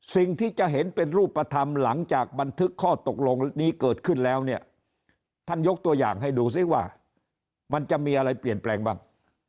สิ่งที่จะเห็นเป็นรูปธรรมหลังจากบันทึกข้อตกลงนี้เกิดขึ้นแล้วเนี่ยท่านยกตัวอย่างให้ดูซิว่ามันจะมีอะไรเปลี่ยนแปลงบ้าง